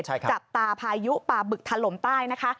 จับตาพายุป่าบึกถล่มใต้นะคะ